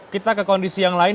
kita ke kondisi yang lain